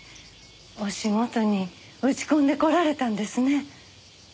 お仕事に打ち込んでこられたんですね。